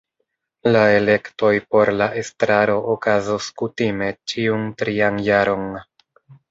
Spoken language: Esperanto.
La elektoj por la estraro okazos kutime ĉiun trian jaron.